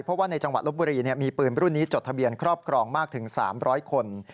เพราะว่าในจังหวัดลบบุรีมีปืนรุ่นนี้จดทะเบียนครอบครองมากถึง๓๐๐คน